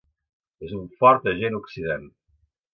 És un fort agent oxidant.